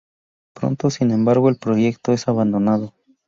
Pronto, sin embargo, el proyecto es abandonado.